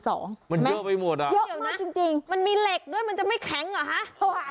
มันเยอะไปหมดอ่ะเยอะนะจริงมันมีเหล็กด้วยมันจะไม่แข็งเหรอฮะ